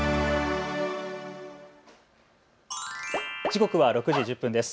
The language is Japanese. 時刻は６時１０分です。